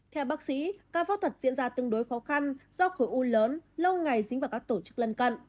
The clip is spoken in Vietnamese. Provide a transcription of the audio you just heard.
theo bác sĩ ca phẫu thuật diễn ra tương đối khó khăn do khối u lớn lâu ngày dính vào các tổ chức lân cận